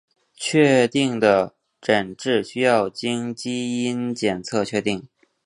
确定的诊治需要经基因检测确定。